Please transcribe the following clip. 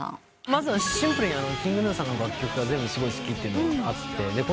まずはシンプルにＫｉｎｇＧｎｕさんの楽曲が全部好きっていうのもあって。